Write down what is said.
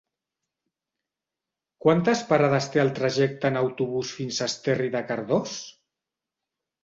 Quantes parades té el trajecte en autobús fins a Esterri de Cardós?